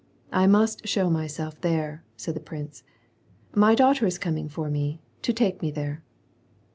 I must show myself there," said the prince. " My daughter is coming for me, to take me there."